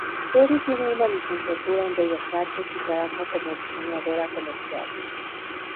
Teri tiene una licenciatura en bellas artes y trabaja como diseñadora comercial.